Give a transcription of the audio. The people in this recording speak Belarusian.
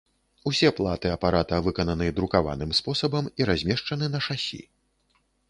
Усе платы апарата выкананы друкаваным спосабам і размешчаны на шасі.